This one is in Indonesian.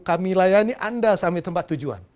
kami layani anda sampai tempat tujuan